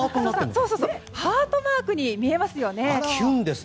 そう、ハートマークに見えますよね。